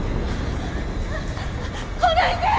来ないで！